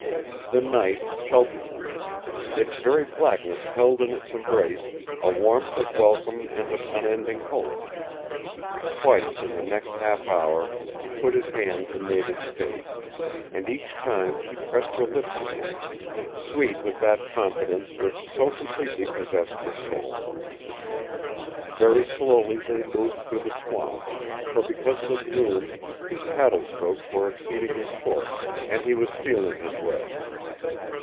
The night sheltered them. Its very blackness held in its embrace a warmth of welcome and of unending hope. Twice in the next half hour he put his hand to Nada's face, and each time she pressed her lips against it, sweet with that confidence which so completely possessed her soul. Very slowly they moved through the swamp, for because of the gloom his paddle strokes were exceedingly short, and he was feeling his way.